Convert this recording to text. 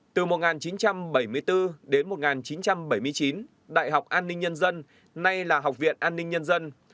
từ một nghìn chín trăm bảy mươi bốn đến một nghìn chín trăm bảy mươi chín đại học an ninh nhân dân nay là học viện an ninh nhân dân